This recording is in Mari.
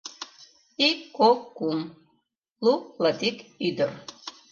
Ик, кок, кум... лу, латик ӱдыр...